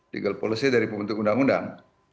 legal policy dari pembentuk undang undang